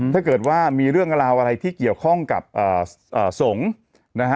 ถ้าเกิดว่ามีเรื่องราวอะไรที่เกี่ยวข้องกับสงฆ์นะฮะ